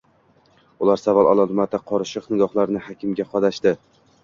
Ular savol alomati qorishiq nigohlarini hakimga qadashdi